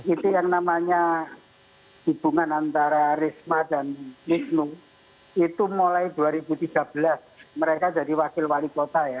itu yang namanya hubungan antara risma dan wisnu itu mulai dua ribu tiga belas mereka jadi wakil wali kota ya